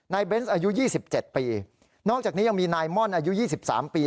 นายเบนส์อายุยี่สิบเจ็ดปีนอกจากนี้ยังมีนายม่อนอายุยี่สิบสามปี